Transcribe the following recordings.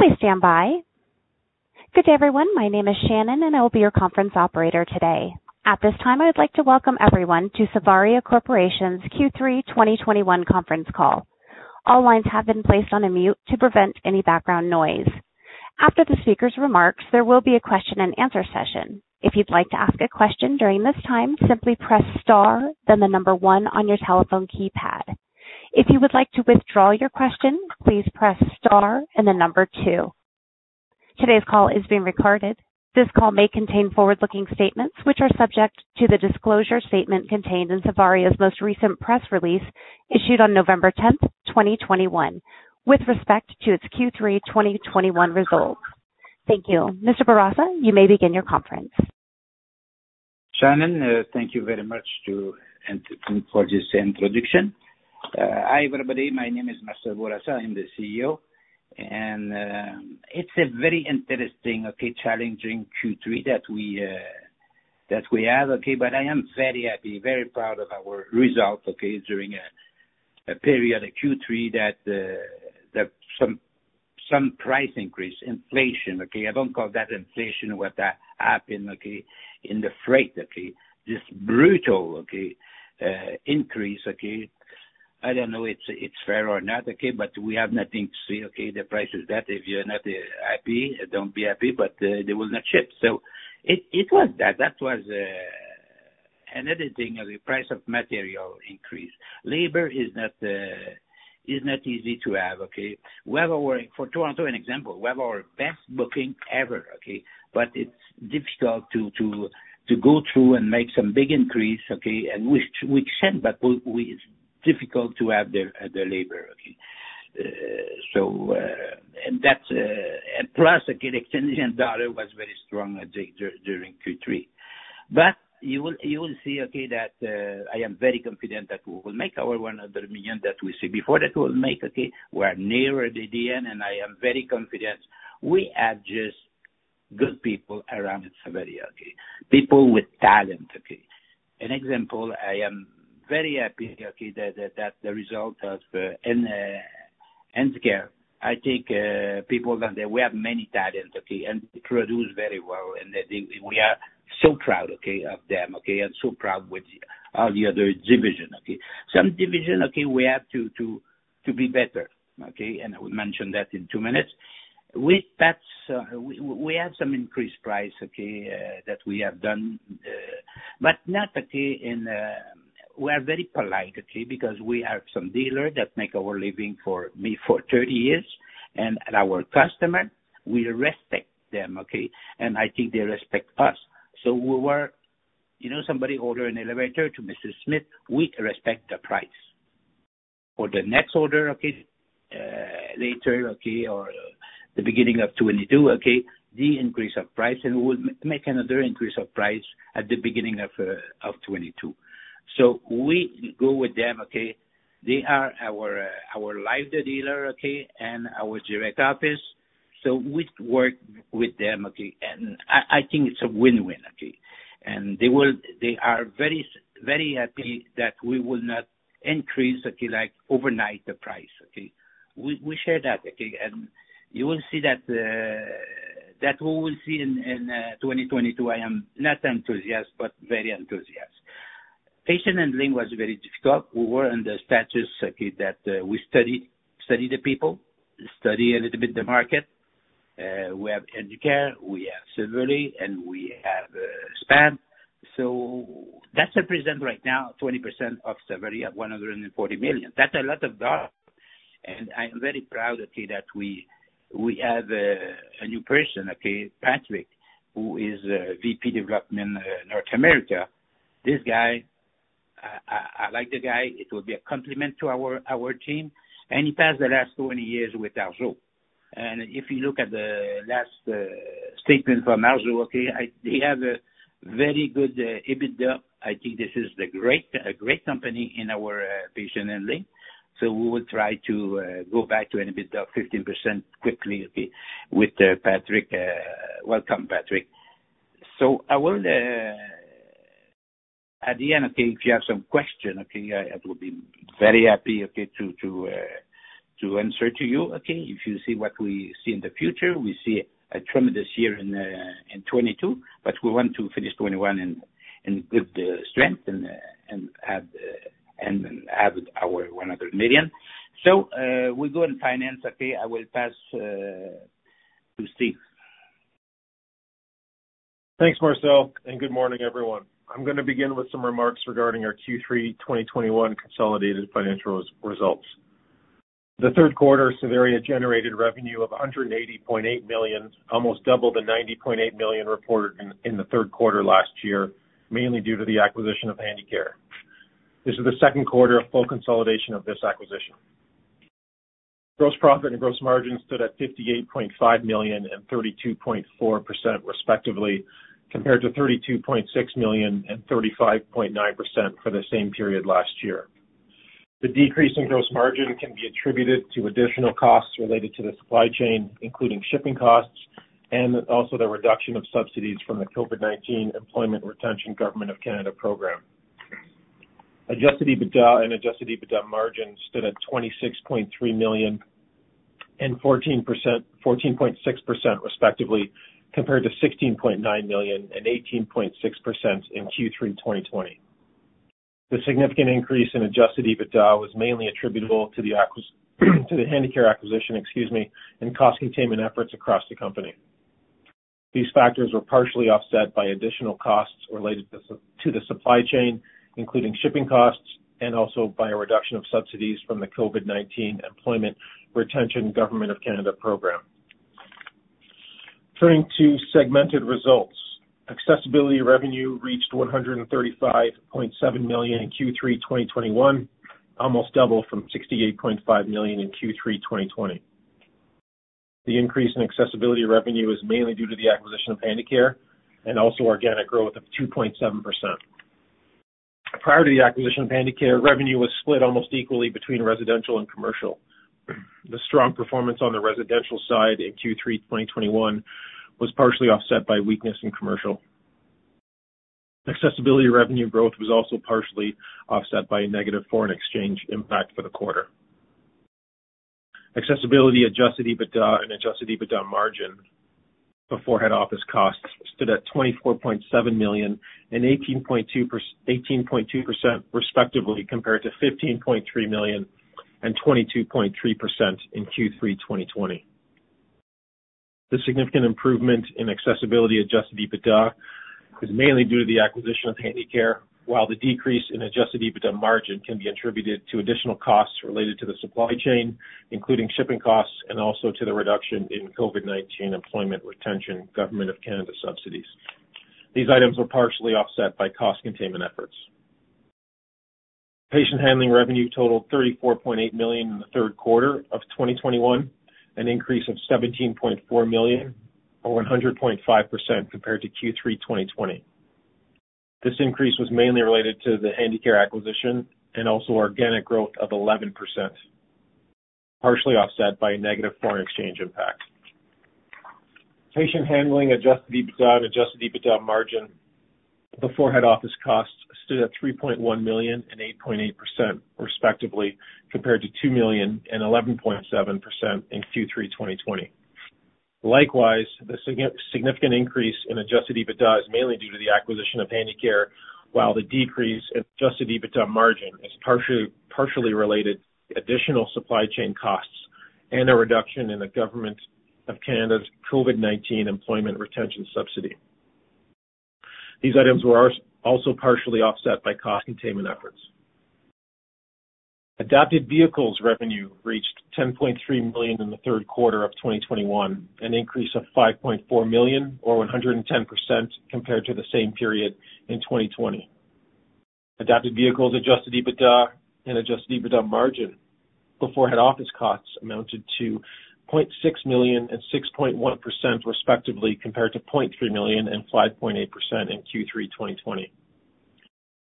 Please stand by. Good day, everyone. My name is Shannon, and I will be your conference operator today. At this time, I would like to welcome everyone to Savaria Corporation's Q3 2021 Conference Call. All lines have been placed on mute to prevent any background noise. After the speaker's remarks, there will be a question and answer session. If you'd like to ask a question during this time, simply press star then the number one on your telephone keypad. If you would like to withdraw your question, please press star and then number two. Today's call is being recorded. This call may contain forward-looking statements which are subject to the disclosure statement contained in Savaria's most recent press release issued on November 10, 2021 with respect to its Q3 2021 results. Thank you. Mr. Bourassa, you may begin your conference. Shannon, thank you very much for this introduction. Hi, everybody. My name is Marcel Bourassa. I'm the CEO. It's a very interesting, okay, challenging Q3 that we have. I am very happy, very proud of our results, okay, during a period of Q3 that some price increase inflation. I don't call that inflation what that happened in the freight. This brutal increase. I don't know it's fair or not, but we have nothing to say, the price is that. If you're not happy, don't be happy, but they will not ship. So it was that. That was. Another thing, the price of material increase. Labor is not easy to have. We have our... For Toronto, an example, we have our best booking ever, okay? It's difficult to go through and make some big increase, okay? We can, but it's difficult to have the labor, okay? That's, and plus, Canadian dollar was very strong during Q3. You will see, okay, that I am very confident that we will make our 100 million that we see before that we'll make, okay? We're nearly at the end, and I am very confident. We have just good people around at Savaria, okay? People with talent, okay? An example, I am very happy, okay, that the result of in Handicare. I think people that we have many talents, okay, and produce very well. We are so proud of them, okay? Proud with all the other division, okay? Some division, okay, we have to be better, okay? I will mention that in 2 minutes. With that, we have some increased price, okay, that we have done. We are very polite, okay? Because we have some dealer that make our living for me for 30 years and our customer, we respect them, okay? I think they respect us. We work. You know, somebody order an elevator to Mr. Smith, we respect the price. For the next order, okay, later, okay, or the beginning of 2022, okay, the increase of price and we would make another increase of price at the beginning of 2022. We go with them, okay. They are our live dealer, okay, and our direct office. We work with them, okay? I think it's a win-win, okay. They are very happy that we will not increase, okay, like overnight the price, okay? We share that, okay? You will see that we will see in 2022. I am not enthusiastic, but very enthusiastic. Patient handling was very difficult. We were under stress, okay, that we study the people, study a little bit the market. We have Handicare, we have Savaria, and we have Span-America. That represents right now 20% of Savaria at 140 million. That's a lot of dollar. I'm very proud, okay, that we have a new person, okay, Patrick, who is VP Development, North America. This guy, I like the guy. It will be a complement to our team. He spent the last 20 years with Arjo. If you look at the last statement from Arjo, they have a very good EBITDA. I think this is a great company in our patient handling. We will try to go back to an EBITDA 15% quickly with Patrick. Welcome, Patrick. I will, at the end, if you have some question, I will be very happy to answer to you. If you see what we see in the future, we see a tremendous year in 2022, but we want to finish 2021 in good strength and have our 100 million. We go in finance. Okay, I will pass to Steve. Thanks, Marcel, and good morning, everyone. I'm gonna begin with some remarks regarding our Q3 2021 consolidated financial results. The Q3, Savaria generated revenue of 180.8 million, almost double the 90.8 million reported in the Q3 last year, mainly due to the acquisition of Handicare. This is the Q2 of full consolidation of this acquisition. Gross profit and gross margin stood at 58.5 million and 32.4% respectively, compared to 32.6 million and 35.9% for the same period last year. The decrease in gross margin can be attributed to additional costs related to the supply chain, including shipping costs and also the reduction of subsidies from the Canada Emergency Wage Subsidy program. Adjusted EBITDA and adjusted EBITDA margin stood at 26.3 million and 14.6% respectively, compared to 16.9 million and 18.6% in Q3 2020. The significant increase in adjusted EBITDA was mainly attributable to the Handicare acquisition, excuse me, and cost containment efforts across the company. These factors were partially offset by additional costs related to the supply chain, including shipping costs, and also by a reduction of subsidies from the Canada Emergency Wage Subsidy program. Turning to segmented results. Accessibility revenue reached 135.7 million in Q3 2021, almost double from 68.5 million in Q3 2020. The increase in accessibility revenue is mainly due to the acquisition of Handicare and also organic growth of 2.7%. Prior to the acquisition of Handicare, revenue was split almost equally between residential and commercial. The strong performance on the residential side in Q3 2021 was partially offset by weakness in commercial. Accessibility revenue growth was also partially offset by a negative foreign exchange impact for the quarter. Accessibility adjusted EBITDA and adjusted EBITDA margin before head office costs stood at 24.7 million and 18.2% respectively, compared to 15.3 million and 22.3% in Q3 2020. The significant improvement in accessibility adjusted EBITDA is mainly due to the acquisition of Handicare. While the decrease in adjusted EBITDA margin can be attributed to additional costs related to the supply chain, including shipping costs and also to the reduction in COVID-19 Employment Retention Government of Canada subsidies, these items were partially offset by cost containment efforts. Patient handling revenue totaled CAD 34.8 million in the Q3 of 2021, an increase of CAD 17.4 million or 100.5% compared to Q3 2020. This increase was mainly related to the Handicare acquisition and also organic growth of 11%, partially offset by negative foreign exchange impact. Patient handling adjusted EBITDA and adjusted EBITDA margin before head office costs stood at 3.1 million and 8.8%, respectively, compared to 2 million and 11.7% in Q3 2020. Likewise, the significant increase in adjusted EBITDA is mainly due to the acquisition of Handicare, while the decrease in adjusted EBITDA margin is partially related to additional supply chain costs and a reduction in the government of Canada's COVID-19 employment retention subsidy. These items were also partially offset by cost containment efforts. Adapted Vehicles revenue reached 10.3 million in the Q3 of 2021, an increase of 5.4 million or 110% compared to the same period in 2020. Adapted Vehicles adjusted EBITDA and adjusted EBITDA margin before head office costs amounted to 0.6 million and 6.1%, respectively, compared to 0.3 million and 5.8% in Q3 2020.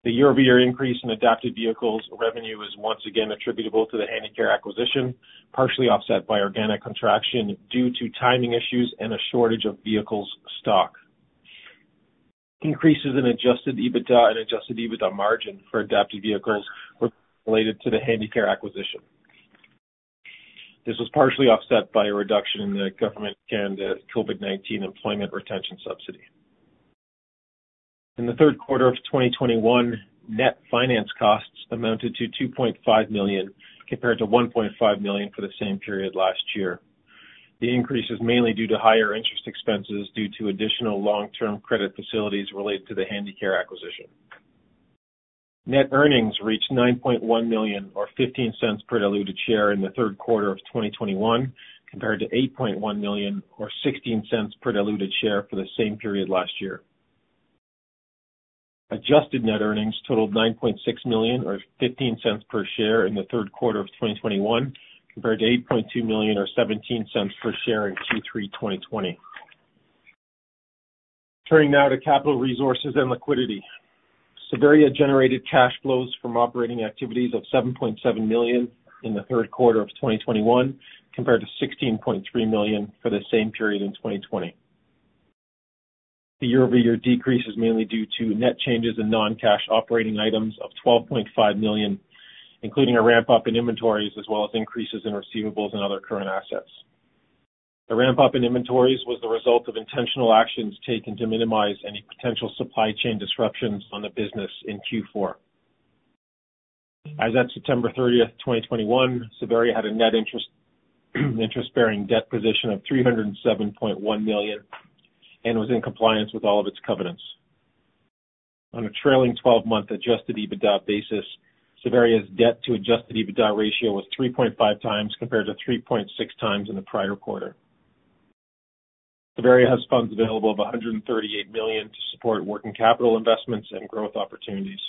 The year-over-year increase in Adapted Vehicles revenue is once again attributable to the Handicare acquisition, partially offset by organic contraction due to timing issues and a shortage of vehicles stock. Increases in adjusted EBITDA and adjusted EBITDA margin for Adapted Vehicles were related to the Handicare acquisition. This was partially offset by a reduction in the government of Canada's COVID-19 employment retention subsidy. In the Q3 of 2021, net finance costs amounted to 2.5 million, compared to 1.5 million for the same period last year. The increase is mainly due to higher interest expenses due to additional long-term credit facilities related to the Handicare acquisition. Net earnings reached 9.1 million or 0.15 per diluted share in the Q3 of 2021, compared to 8.1 million or 0.16 per diluted share for the same period last year. Adjusted net earnings totaled 9.6 million or 0.15 per share in the Q3 of 2021, compared to 8.2 million or 0.17 per share in Q3 2020. Turning now to capital resources and liquidity. Savaria generated cash flows from operating activities of 7.7 million in the Q3 of 2021, compared to 16.3 million for the same period in 2020. The year-over-year decrease is mainly due to net changes in non-cash operating items of 12.5 million, including a ramp-up in inventories as well as increases in receivables and other current assets. The ramp-up in inventories was the result of intentional actions taken to minimize any potential supply chain disruptions on the business in Q4. As at September 30, 2021, Savaria had a net interest-bearing debt position of 307.1 million and was in compliance with all of its covenants. On a trailing twelve-month adjusted EBITDA basis, Savaria's debt to adjusted EBITDA ratio was 3.5 times compared to 3.6 times in the prior quarter. Savaria has funds available of CAD 138 million to support working capital investments and growth opportunities.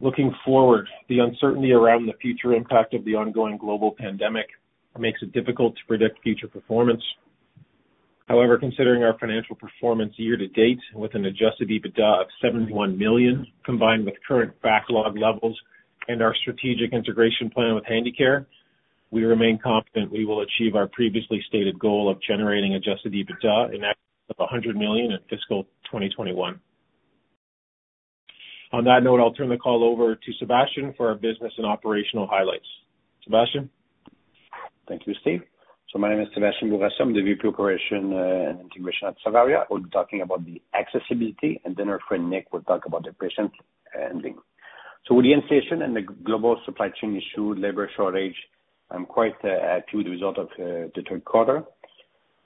Looking forward, the uncertainty around the future impact of the ongoing global pandemic makes it difficult to predict future performance. However, considering our financial performance year to date with an adjusted EBITDA of 71 million, combined with current backlog levels and our strategic integration plan with Handicare, we remain confident we will achieve our previously stated goal of generating adjusted EBITDA in excess of 100 million in fiscal 2021. On that note, I'll turn the call over to Sébastien for our business and operational highlights. Sébastien? Thank you, Steve. My name is Sébastien Bourassa. I'm the Vice President of Operations and Integration at Savaria. I'll be talking about the accessibility, and then our friend Nick will talk about the patient handling. With the inflation and the global supply chain issue, labor shortage, quite acute result of the Q3.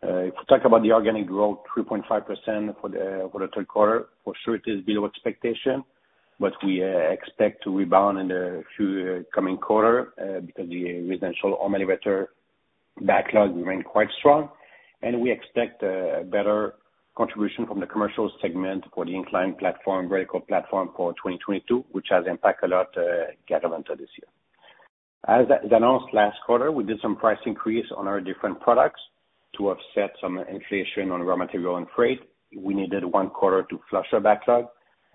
If we talk about the organic growth, 3.5% for the Q3. For sure it is below expectation, but we expect to rebound in the few coming quarter, because the residential home elevator backlog remained quite strong and we expect better contribution from the commercial segment for the incline platform, vertical platform for 2022, which has impact a lot Garaventa this year. As announced last quarter, we did some price increase on our different products to offset some inflation on raw material and freight. We needed one quarter to flush our backlog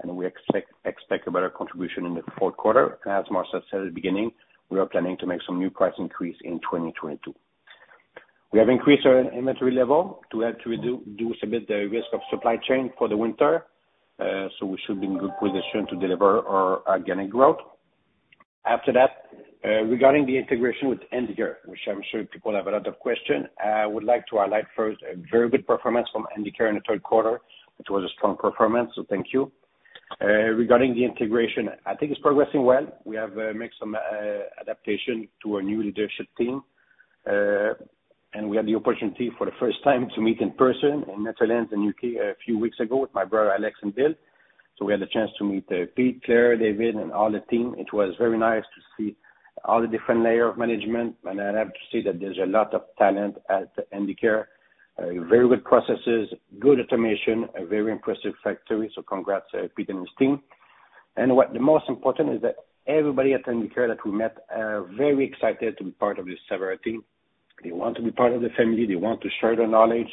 and we expect a better contribution in the Q4. As Marcel said at the beginning, we are planning to make some new price increase in 2022. We have increased our inventory level to help reduce a bit the risk of supply chain for the winter. So we should be in good position to deliver our organic growth. After that, regarding the integration with Handicare, which I'm sure people have a lot of question, I would like to highlight first a very good performance from Handicare in the Q3. It was a strong performance, so thank you. Regarding the integration, I think it's progressing well. We have made some adaptations to our new leadership team. We had the opportunity for the first time to meet in person in Netherlands and U.K. a few weeks ago with my brother Alex and Bill. We had the chance to meet Pete, Claire, David, and all the team. It was very nice to see all the different layers of management. I have to say that there's a lot of talent at Handicare. Very good processes, good automation, a very impressive factory. Congrats, Pete and his team. What's the most important is that everybody at Handicare that we met are very excited to be part of this Savaria team. They want to be part of the family, they want to share their knowledge,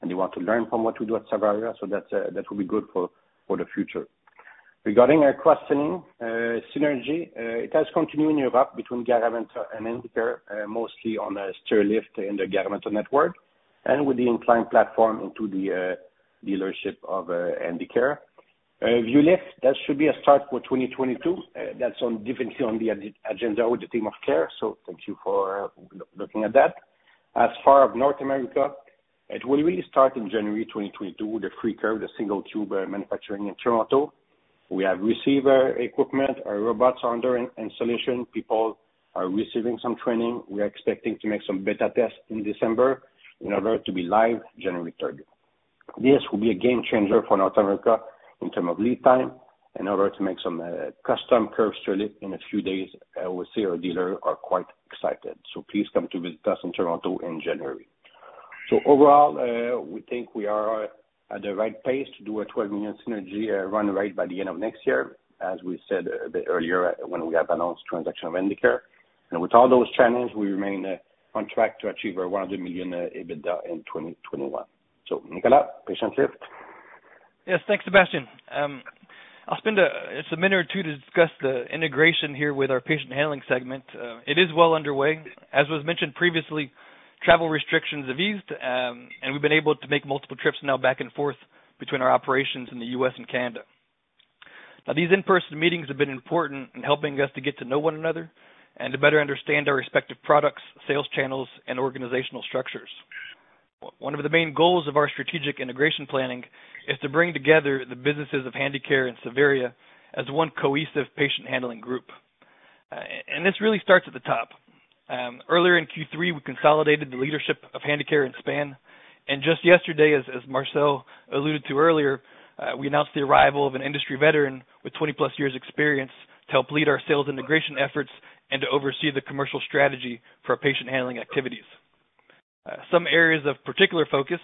and they want to learn from what we do at Savaria, that will be good for the future. Regarding our cross-selling synergy, it has continued in Europe between Garaventa and Handicare, mostly on the stair lift in the Garaventa network and with the incline platform into the dealership of Handicare. Vuelift, that should be a start for 2022. That's definitely on the agenda with the team of Claire, so thank you for looking at that. As far as North America, it will really start in January 2022 with the Freecurve, the single tube manufacturing in Toronto. We have received equipment. Our robots are under installation. People are receiving some training. We are expecting to make some beta tests in December in order to be live January 3. This will be a game changer for North America in terms of lead time in order to make some custom curves to deliver in a few days. I will say our dealers are quite excited. Please come to visit us in Toronto in January. Overall, we think we are at the right pace to do a 12 million synergy run rate by the end of next year, as we said a bit earlier when we have announced transaction of Handicare. With all those challenges, we remain on track to achieve our 100 million EBITDA in 2021. Nicolas, patient lift. Yes. Thanks, Sébastien. I'll spend just a minute or two to discuss the integration here with our patient handling segment. It is well underway. As was mentioned previously, travel restrictions have eased, and we've been able to make multiple trips now back and forth between our operations in the U.S. and Canada. Now, these in-person meetings have been important in helping us to get to know one another and to better understand our respective products, sales channels, and organizational structures. One of the main goals of our strategic integration planning is to bring together the businesses of Handicare and Savaria as one cohesive patient handling group. This really starts at the top. Earlier in Q3, we consolidated the leadership of Handicare and Span-America. Just yesterday, as Marcel alluded to earlier, we announced the arrival of an industry veteran with 20+ years experience to help lead our sales integration efforts and to oversee the commercial strategy for our patient handling activities. Some areas of particular focus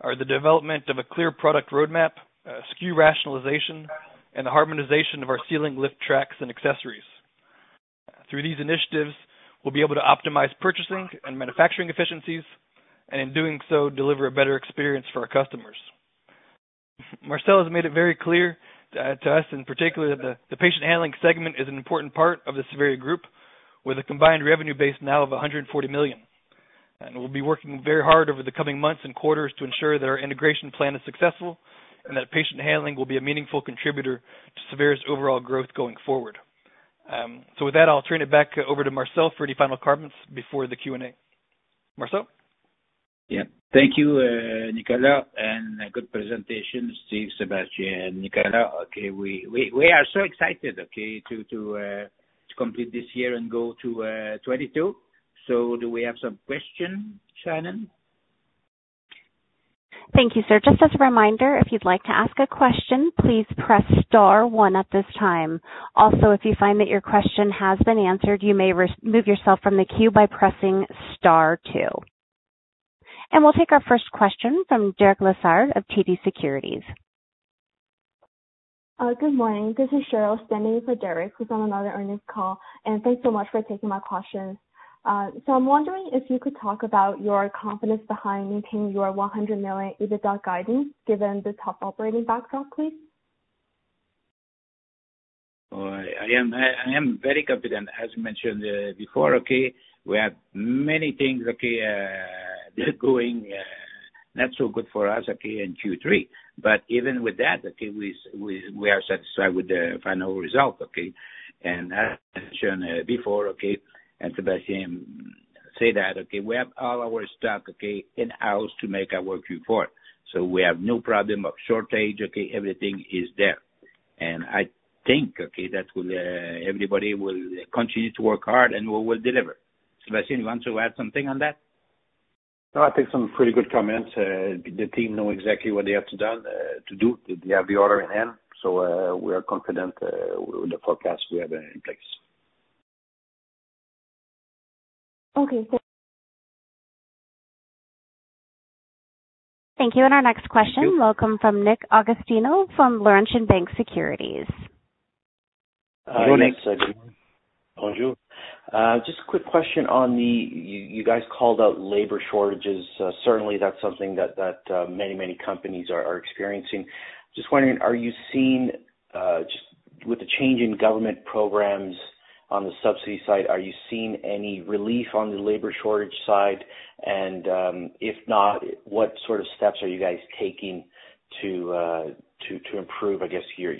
are the development of a clear product roadmap, SKU rationalization, and the harmonization of our ceiling lift tracks and accessories. Through these initiatives, we'll be able to optimize purchasing and manufacturing efficiencies, and in doing so, deliver a better experience for our customers. Marcel has made it very clear to us in particular that the patient handling segment is an important part of the Savaria group, with a combined revenue base now of 140 million. We'll be working very hard over the coming months and quarters to ensure that our integration plan is successful and that patient handling will be a meaningful contributor to Savaria's overall growth going forward. With that, I'll turn it back over to Marcel for any final comments before the Q&A. Marcel? Yeah. Thank you, Nicolas, and good presentation, Steve, Sebastian, Nicolas. We are so excited to complete this year and go to 2022. Do we have some question, Shannon? Thank you, sir. Just as a reminder, if you'd like to ask a question, please press star one at this time. Also, if you find that your question has been answered, you may remove yourself from the queue by pressing star two. We'll take our first question from Derek Lessard of TD Securities. Good morning. This is Cheryl standing in for Derek who's on another earnings call, and thanks so much for taking my questions. I'm wondering if you could talk about your confidence behind maintaining your 100 million EBITDA guidance given the tough operating backdrop, please. I am very confident. As mentioned before, we have many things going not so good for us in Q3. Even with that, we are satisfied with the final result. As mentioned before, and Sébastien say that, we have all our stock in-house to make our Q4. So we have no problem of shortage. Everything is there. I think everybody will continue to work hard, and we will deliver. Sébastien, you want to add something on that? No, I think some pretty good comments. The team know exactly what they have to do to do. They have the order in hand, so we are confident with the forecast we have in place. Okay. Thank you. Our next question. Thank you. Welcome from Nick Agostino from Laurentian Bank Securities. Go, Nick. Bonjour. Just a quick question. You guys called out labor shortages. Certainly that's something that many companies are experiencing. Just wondering, are you seeing just with the change in government programs on the subsidy side, are you seeing any relief on the labor shortage side? If not, what sort of steps are you guys taking to improve, I guess, your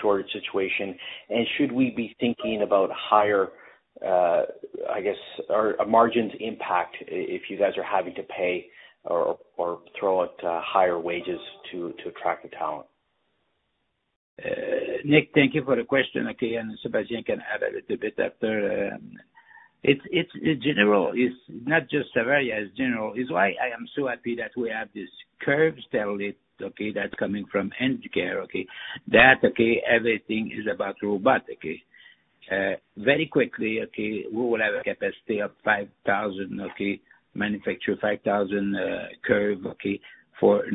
shortage situation? Should we be thinking about higher, I guess, or a margins impact if you guys are having to pay or throw out higher wages to attract the talent? Nick, thank you for the question, okay, and Sébastien can add a little bit after. It's general. It's not just Savaria. It's general. It's why I am so happy that we have these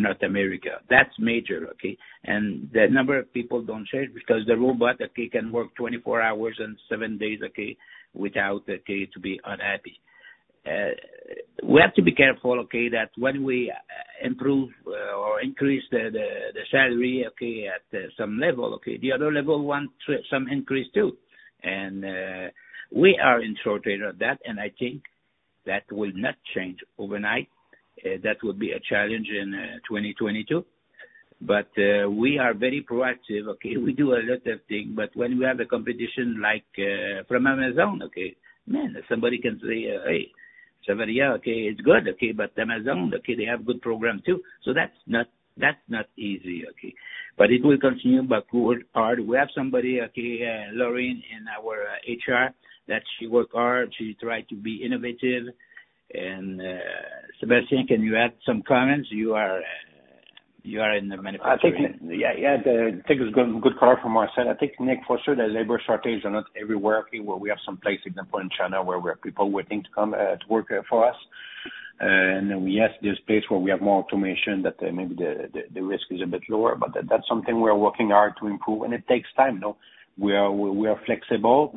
curves.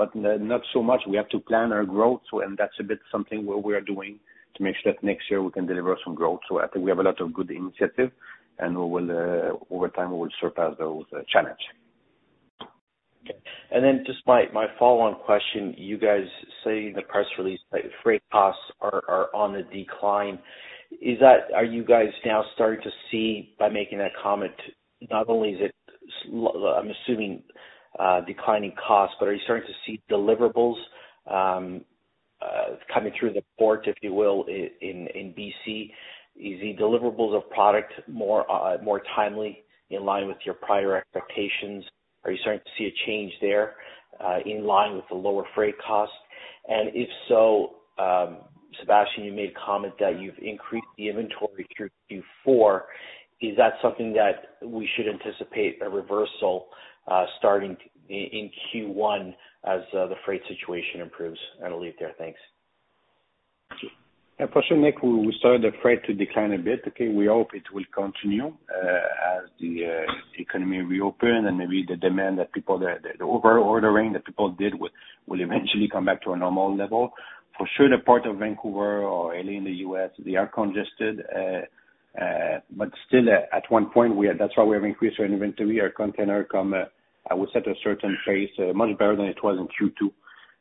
For sure, Nick, we started to see the freight decline a bit. We hope it will continue as the economy reopens and maybe the demand, the over-ordering that people did will eventually come back to a normal level. For sure, the Port of Vancouver or L.A. in the U.S., they are congested. But still, that's why we have increased our inventory. Our containers come, I would say at a certain pace, much better than it was in Q2.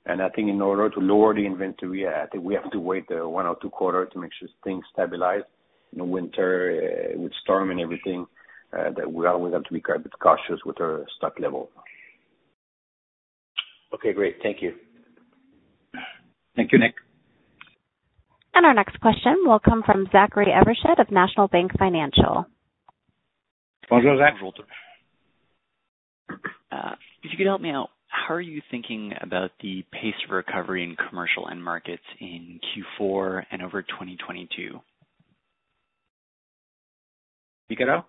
I think in order to lower the inventory, we have to wait one or two quarters to make sure things stabilize in the winter with storms and everything, that we always have to be quite a bit cautious with our stock level. Okay, great. Thank you. Thank you, Nick. Our next question will come from Zachary Evershed of National Bank Financial. Bonjour, Zach. Bonjour. If you could help me out, how are you thinking about the pace of recovery in commercial end markets in Q4 and over 2022? Nicolas?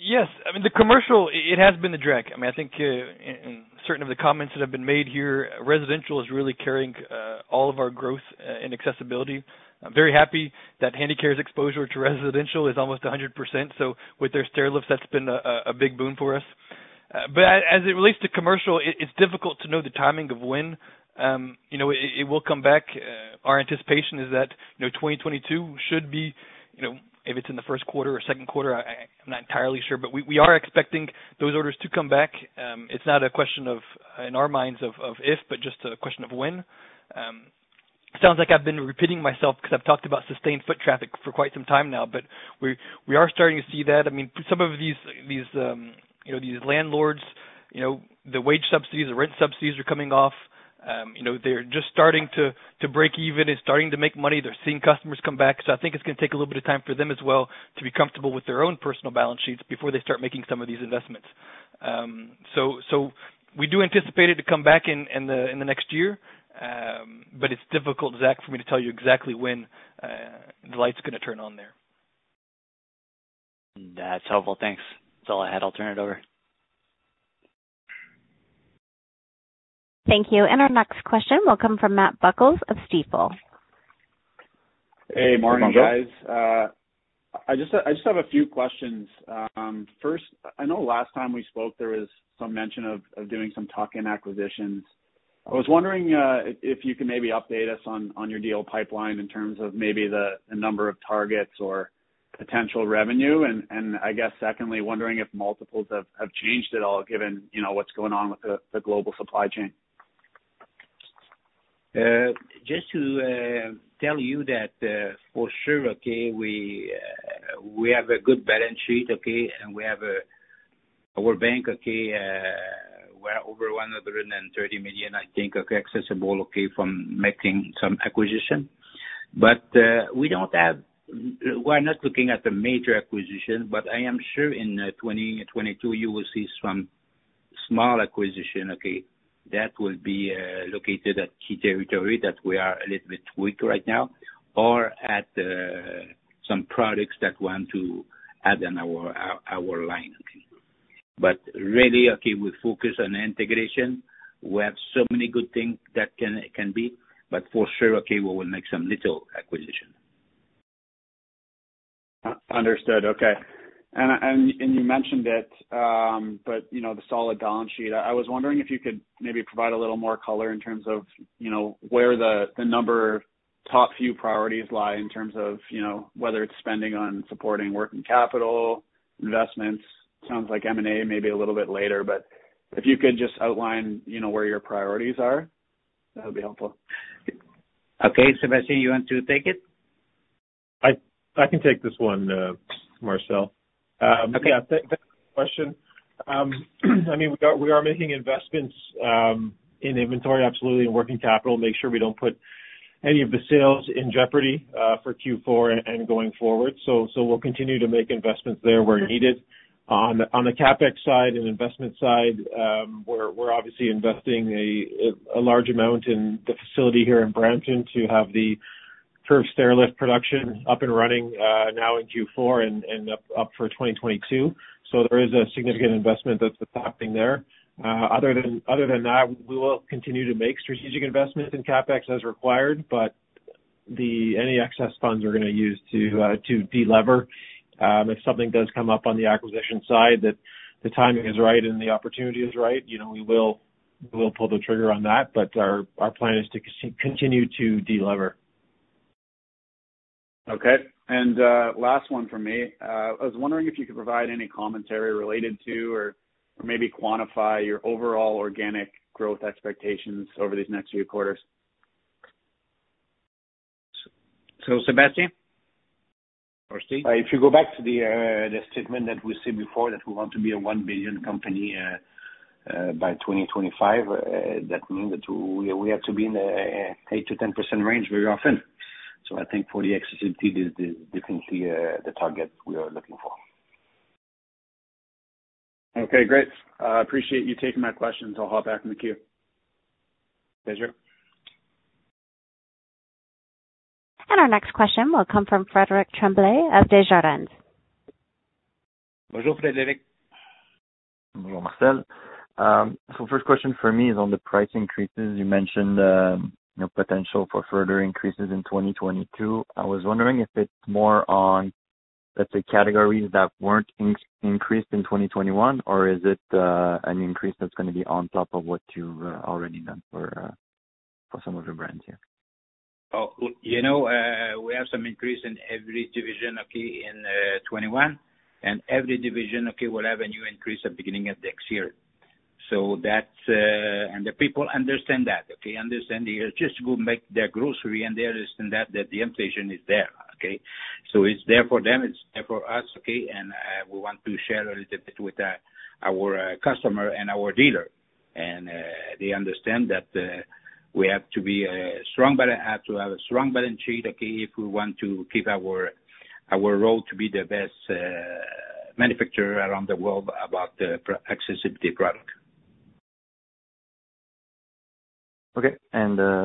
Yes. I mean, the commercial, it has been the drag. I mean, I think in certain of the comments that have been made here, residential is really carrying all of our growth and accessibility. I'm very happy that Handicare's exposure to residential is almost 100%. With their stair lifts, that's been a big boon for us. As it relates to commercial, it's difficult to know the timing of when, you know, it will come back. Our anticipation is that, you know, 2022 should be. If it's in the Q1 or Q2, I'm not entirely sure, but we are expecting those orders to come back. It's not a question of, in our minds, of if, but just a question of when. Sounds like I've been repeating myself 'cause I've talked about sustained foot traffic for quite some time now, but we are starting to see that. I mean, some of these landlords, you know, the wage subsidies, the rent subsidies are coming off. You know, they're just starting to break even. They're starting to make money. They're seeing customers come back. I think it's gonna take a little bit of time for them as well to be comfortable with their own personal balance sheets before they start making some of these investments. We do anticipate it to come back in the next year, but it's difficult, Zach, for me to tell you exactly when the light's gonna turn on there. That's helpful. Thanks. That's all I had. I'll turn it over. Thank you. Our next question will come from Matt Buckles of Stifel. Hey, morning, guys. Bonjour. I just have a few questions. First, I know last time we spoke there was some mention of doing some tuck-in acquisitions. I was wondering if you could maybe update us on your deal pipeline in terms of maybe the number of targets or potential revenue. I guess secondly, wondering if multiples have changed at all given, you know, what's going on with the global supply chain. Just to tell you that for sure, we have a good balance sheet. We have our bank, we're over 130 million, I think, accessible from making some acquisition. We're not looking at the major acquisition, but I am sure in 2022 you will see some small acquisition that will be located at key territory that we are a little bit weak right now or at some products that we want to add on our line. Really, we focus on integration. We have so many good things that can be, but for sure we will make some little acquisition. Understood. Okay. You mentioned it, but you know, the solid balance sheet. I was wondering if you could maybe provide a little more color in terms of, you know, where the number top few priorities lie in terms of, you know, whether it's spending on supporting working capital, investments. Sounds like M&A may be a little bit later. If you could just outline, you know, where your priorities are, that would be helpful. Okay. Sébastien, you want to take it? I can take this one, Marcel. Okay. Yeah, thanks for the question. I mean, we are making investments in inventory, absolutely, in working capital, make sure we don't put any of the sales in jeopardy for Q4 and going forward. We'll continue to make investments there where needed. On the CapEx side and investment side, we're obviously investing a large amount in the facility here in Brampton to have the curved stairlift production up and running now in Q4 and up for 2022. There is a significant investment that's happening there. Other than that, we will continue to make strategic investments in CapEx as required, but any excess funds we're gonna use to de-lever. If something does come up on the acquisition side that the timing is right and the opportunity is right, you know, we will pull the trigger on that. Our plan is to continue to de-lever. Okay. Last one from me. I was wondering if you could provide any commentary related to or maybe quantify your overall organic growth expectations over these next few quarters? Sébastien or Steve? If you go back to the statement that we said before that we want to be a 1 billion company by 2025, that means that we have to be in a 8%-10% range very often. I think for the accessibility, this is definitely the target we are looking for. Okay, great. I appreciate you taking my questions. I'll hop back in the queue. Pleasure. Our next question will come from Frédéric Tremblay of Desjardins. Bonjour, Frédéric. Bonjour, Marcel. First question for me is on the price increases. You mentioned, you know, potential for further increases in 2022. I was wondering if it's more on, let's say, categories that weren't increased in 2021, or is it an increase that's gonna be on top of what you've already done for some of your brands here? Oh, you know, we have some increase in every division, okay, in 2021, and every division, okay, will have a new increase at beginning of next year. That's. The people understand that, okay. They just go make their grocery and they understand that the inflation is there, okay. It's there for them, it's there for us, okay. We want to share a little bit with our customer and our dealer. They understand that we have to have a strong balance sheet, okay, if we want to keep our role to be the best manufacturer around the world about the accessibility product. Okay.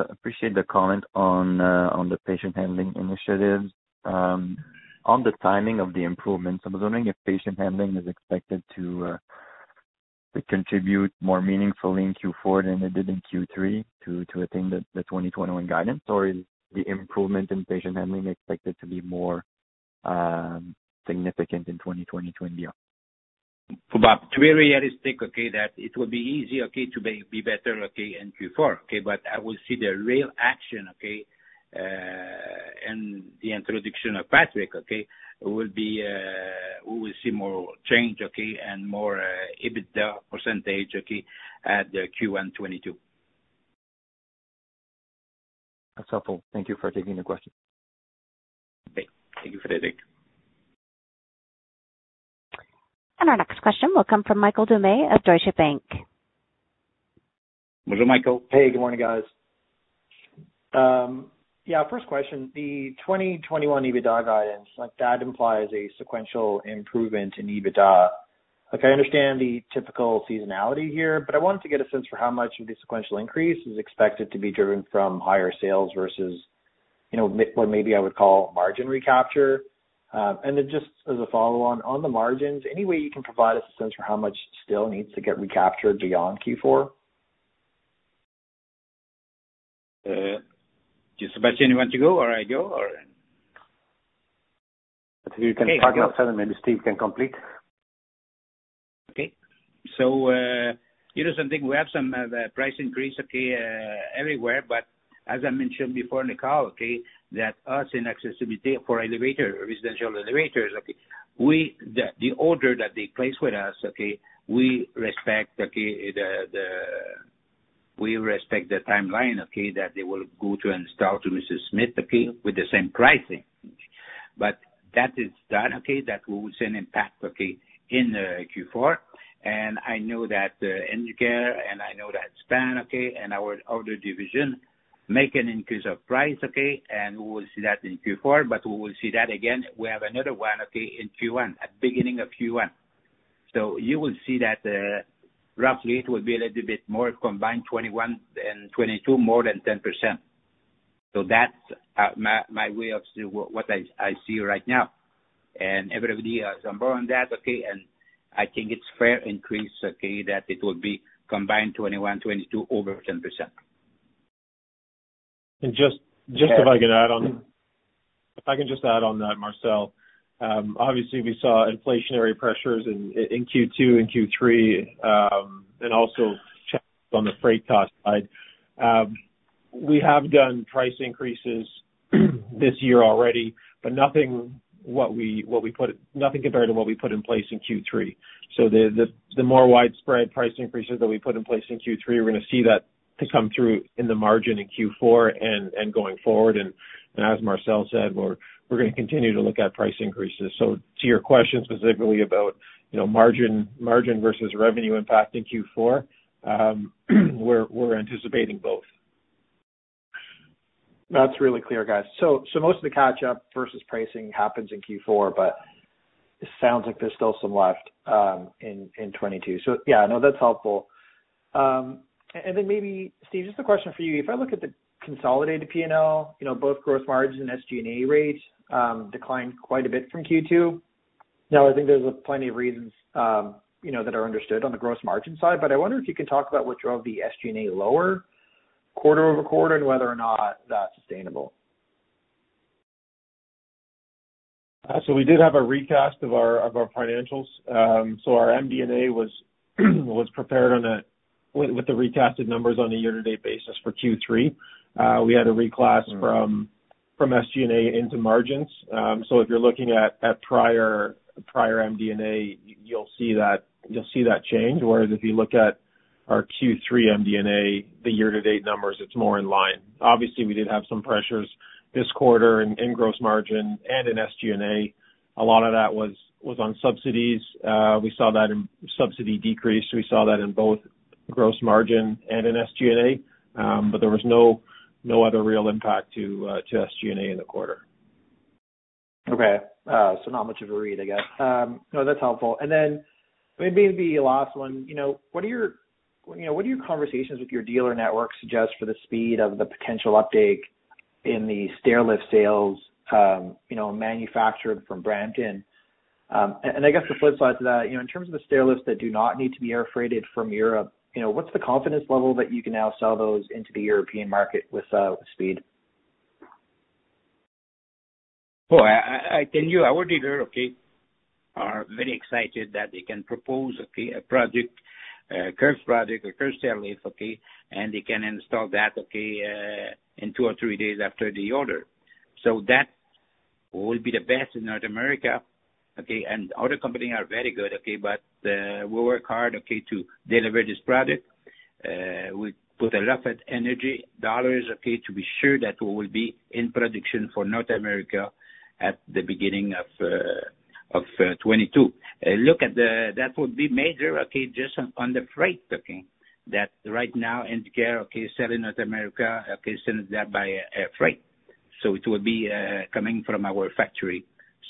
Appreciate the comment on the patient handling initiatives. On the timing of the improvements, I was wondering if patient handling is expected to contribute more meaningfully in Q4 than it did in Q3 to attain the 2021 guidance. Is the improvement in patient handling expected to be more- Significant in 2020, 2021. For about Q3, realistically, okay, that it will be easy, okay, to be better, okay, in Q4. Okay. I will see the real action, okay, in the introduction of Patrick, okay, we will see more change, okay, and more EBITDA %, okay, at the Q1 2022. That's helpful. Thank you for taking the question. Okay. Thank you, Frédéric. Our next question will come from of Deutsche Bank. Michael Dumay. Hey, good morning, guys. Yeah, first question, the 2021 EBITDA guidance, like that implies a sequential improvement in EBITDA. Like, I understand the typical seasonality here, but I wanted to get a sense for how much of the sequential increase is expected to be driven from higher sales versus, you know, maybe I would call margin recapture. Just as a follow on the margins, any way you can provide us a sense for how much still needs to get recaptured beyond Q4? Sébastien, you want to go or I go, or? If you can start off, maybe Steve can complete. You know, something, we have some price increase everywhere, but as I mentioned before in the call, that's us in accessibility for elevator, residential elevators, the order that they place with us, we respect the timeline that they will go to install to Mrs. Smith with the same pricing. That is done, that will have an impact in Q4. I know that Handicare and Span-America and our other division make an increase of price, and we will see that in Q4. We will see that again, we have another one in Q1, at beginning of Q1. You will see that, roughly it will be a little bit more combined 2021 and 2022 more than 10%. That's my way of seeing what I see right now. Everybody is on board with that, and I think it's a fair increase that it will be combined 2021-2022 over 10%. If I can just add on that, Marcel. Obviously we saw inflationary pressures in Q2 and Q3, and also challenges on the freight cost side. We have done price increases this year already, but nothing compared to what we put in place in Q3. The more widespread price increases that we put in place in Q3, we're gonna see that to come through in the margin in Q4 and going forward. As Marcel said, we're gonna continue to look at price increases. To your question specifically about, you know, margin versus revenue impact in Q4, we're anticipating both. That's really clear, guys. Most of the catch up versus pricing happens in Q4, but it sounds like there's still some left in 2022. Yeah, no, that's helpful. Maybe Steve, just a question for you. If I look at the consolidated P&L, you know, both gross margin SG&A rates declined quite a bit from Q2. Now, I think there's plenty of reasons, you know, that are understood on the gross margin side. I wonder if you could talk about what drove the SG&A lower quarter-over-quarter and whether or not that's sustainable. We did have a recast of our financials. Our MD&A was prepared with the recast numbers on a year-to-date basis for Q3. We had to reclass from SG&A into margins. If you're looking at prior MD&A, you'll see that change. Whereas if you look at our Q3 MD&A, the year-to-date numbers, it's more in line. Obviously, we did have some pressures this quarter in gross margin and in SG&A. A lot of that was on subsidies. We saw that in subsidy decrease. We saw that in both gross margin and in SG&A. There was no other real impact to SG&A in the quarter. Okay. So not much of a read, I guess. No, that's helpful. Then maybe the last one, you know, what do your conversations with your dealer network suggest for the speed of the potential uptake in the stairlift sales, you know, manufactured from Brampton? And I guess the flip side to that, you know, in terms of the stairlifts that do not need to be air freighted from Europe, you know, what's the confidence level that you can now sell those into the European market with speed? Well, I tell you, our dealer, okay, are very excited that they can propose, okay, a project, curves project or curve stairlift, okay, and they can install that, okay, in two or three days after the order. That will be the best in North America, okay, and other company are very good, okay, but we work hard, okay, to deliver this product. We put a lot of energy dollars, okay, to be sure that we will be in production for North America at the beginning of 2022. That would be major, okay, just on the freight, okay. That right now, Handicare, okay, sell in North America, okay, sends that by air freight. It will be coming from our factory.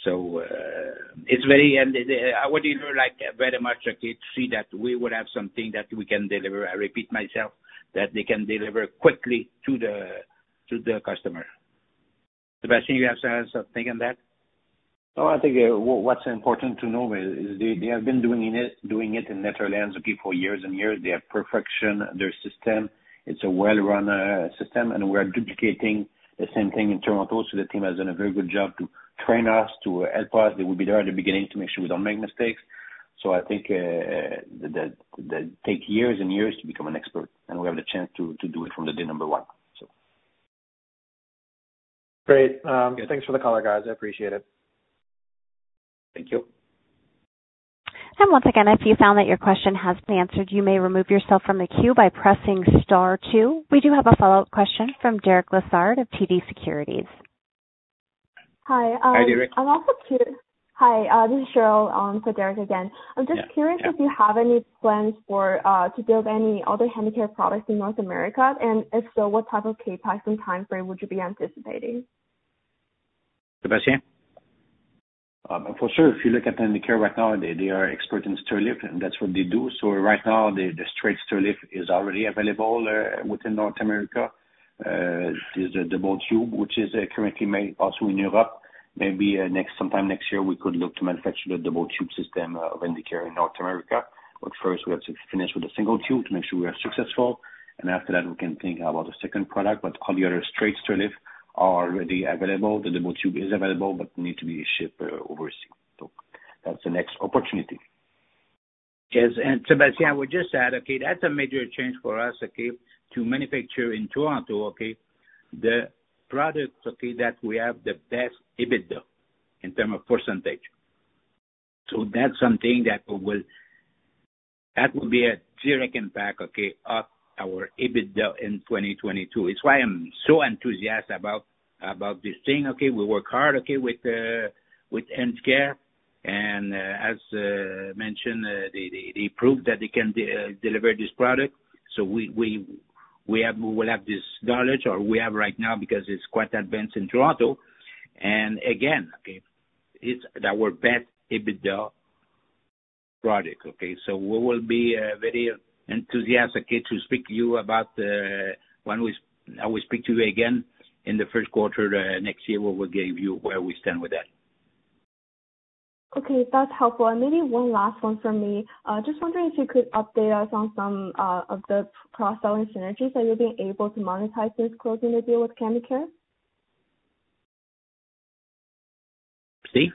It's very. Our dealers like very much, okay, to see that we would have something that we can deliver, I repeat myself, that they can deliver quickly to the customer. Sébastien, you have something to add on that? No, I think, what's important to know is they have been doing it in Netherlands, okay, for years and years. They have perfected their system. It's a well-run system, and we are duplicating the same thing in Toronto. The team has done a very good job to train us, to help us. They will be there at the beginning to make sure we don't make mistakes. I think, it takes years and years to become an expert, and we have the chance to do it from the day number one. Great. Thanks for the color, guys. I appreciate it. Thank you. Once again, if you found that your question has been answered, you may remove yourself from the queue by pressing star two. We do have a follow-up question from Derek Lessard of TD Securities. Hi. Hi, Derek. Hi, this is Cheryl, for Derek again. Yeah, yeah. I'm just curious if you have any plans to build any other Handicare products in North America, and if so, what type of CapEx and timeframe would you be anticipating? Sebastien? For sure. If you look at Handicare right now, they are expert in stair lift, and that's what they do. Right now, the straight stair lift is already available within North America. There's a double tube, which is currently made also in Europe. Maybe sometime next year, we could look to manufacture the double tube system of Handicare in North America. First, we have to finish with the single tube to make sure we are successful. After that, we can think about the second product. All the other straight stair lift are already available. The double tube is available, but need to be shipped overseas. That's the next opportunity. Yes. Sébastien, I would just add, okay, that's a major change for us, okay, to manufacture in Toronto, okay, the products, okay, that we have the best EBITDA in terms of percentage. That's something that will be a direct impact, okay, of our EBITDA in 2022. It's why I'm so enthusiastic about this thing, okay? We work hard, okay, with Handicare. As mentioned, they proved that they can deliver this product. We'll have this knowledge or we have right now because it's quite advanced in Toronto. Again, okay, it's our best EBITDA product, okay? We will be very enthusiastic, okay, to speak to you about when I will speak to you again in the Q1 next year, where we'll give you where we stand with that. Okay. That's helpful. Maybe one last one from me. Just wondering if you could update us on some of the cross-selling synergies that you'll be able to monetize this closing deal with Handicare? Steve?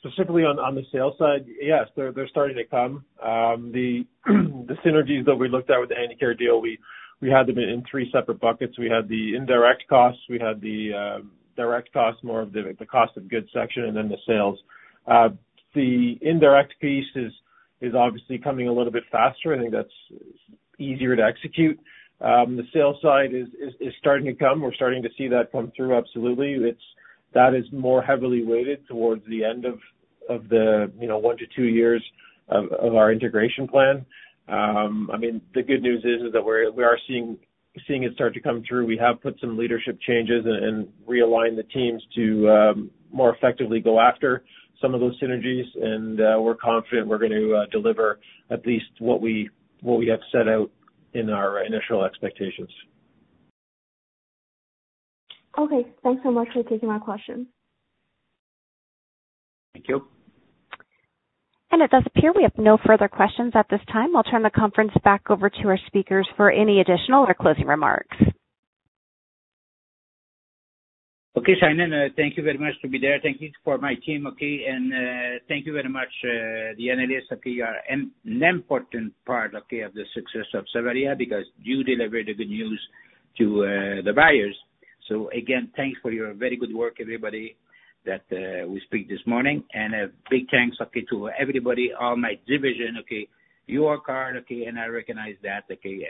Specifically on the sales side, yes, they're starting to come. The synergies that we looked at with the Handicare deal, we had them in three separate buckets. We had the indirect costs, we had the direct costs, more of the cost of goods section, and then the sales. The indirect piece is obviously coming a little bit faster. I think that's easier to execute. The sales side is starting to come. We're starting to see that come through, absolutely. It's that is more heavily weighted towards the end of the you know one to two years of our integration plan. I mean, the good news is that we're seeing it start to come through. We have put some leadership changes and realigned the teams to more effectively go after some of those synergies. We're confident we're going to deliver at least what we have set out in our initial expectations. Okay. Thanks so much for taking my question. Thank you. It does appear we have no further questions at this time. I'll turn the conference back over to our speakers for any additional or closing remarks. Shannon, thank you very much to be there. Thank you to my team, okay. Thank you very much, the analysts, okay, are an important part, okay, of the success of Savaria because you deliver the good news to the buyers. Again, thanks for your very good work, everybody, that we speak this morning. A big thanks, okay, to everybody, all my division, okay. You work hard, okay, and I recognize that, okay.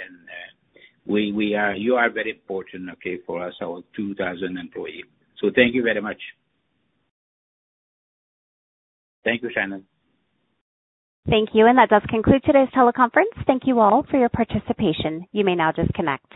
You are very important, okay, for us, our 2,000 employees. Thank you very much. Thank you, Shannon. Thank you. That does conclude today's teleconference. Thank you all for your participation. You may now disconnect.